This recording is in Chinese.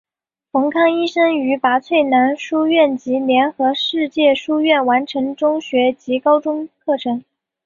冯康医生于拔萃男书院及联合世界书院完成中学及高中课程。